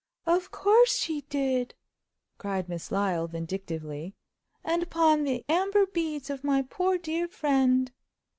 "Of course she did!" cried Miss Lyle, vindictively—"and pawned the amber beads of my poor dead friend!"